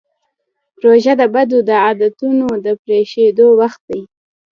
روژه د بدو عادتونو د پرېښودو وخت دی.